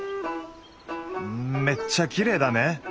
めっちゃきれいだね！